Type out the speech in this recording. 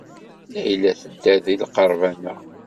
Layla tedder deg lqerban-a.